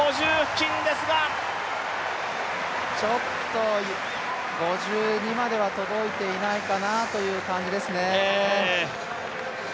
ちょっと５２までは届いていないかなという感じですね。